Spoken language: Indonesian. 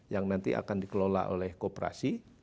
yang nanti akan dikelola oleh kooperasi